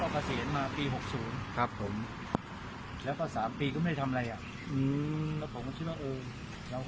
เภอนี้ที่มาขับรถคือยายต้องมาตลอดเลยใช่ไหมครับ